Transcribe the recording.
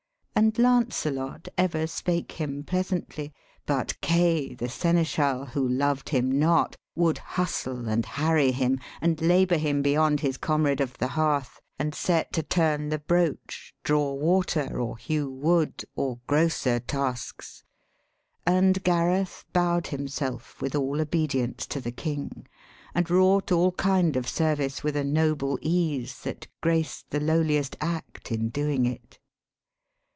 And Lancelot ever spake him pleasantly, But Kay, the seneschal, who loved him not, Would hustle and harry him, and labor him Beyond his comrade of the hearth, and set To turn the broach, draw water, or hew wood, Or grosser tasks; and Gareth bow'd himself With all obedience to the King, and wrought All kind of service with a noble ease That graced the lowliest act in doing it.